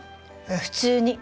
普通に。